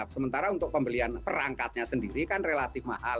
sementara untuk pembelian perangkatnya sendiri kan relatif mahal